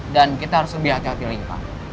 dan kita harus lebih hati hati lagi pak